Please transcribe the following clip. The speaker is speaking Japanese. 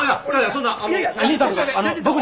そんな。